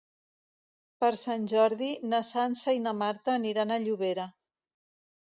Per Sant Jordi na Sança i na Marta aniran a Llobera.